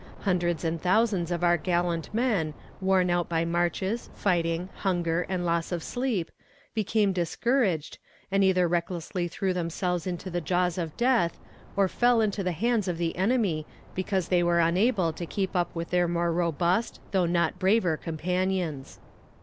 Hundreds and thousands of our gallant men, worn out by marches, fighting, hunger, and loss of sleep, became discouraged, and either recklessly threw themselves into the jaws of death, or fell into the hands of the enemy, because they were unable to keep up with their more robust, though not braver companions.